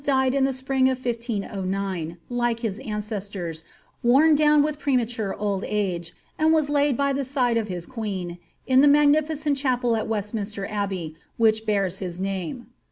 died in the spring of 1509, like his ancestors, worn down with premature old age, and was laid by the side of his queen in the magnificent chapel at Westminster Abbey, which bears his name.